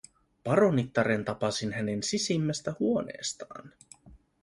Paronittaren tapasin hänen sisimmästä huoneestaan.